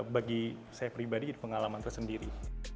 bagi saya pribadi jadi pengalaman tersendiri